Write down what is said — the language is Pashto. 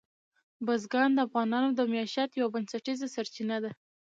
بزګان د افغانانو د معیشت یوه بنسټیزه سرچینه ده.